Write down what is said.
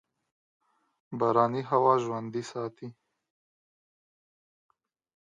باراني هوا ژوندي ساتي.